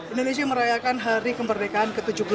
indonesia merayakan hari kemerdekaan ke tujuh puluh delapan